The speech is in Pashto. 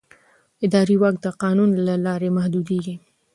اداري واک د قانون له لارې محدودېږي.